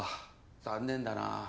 残念だなあ。